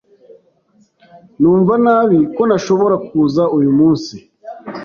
Numva nabi ko ntashobora kuza uyu munsi.